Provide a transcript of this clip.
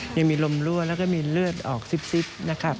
ยังมีลมรั่วแล้วก็มีเลือดออกซิบนะครับ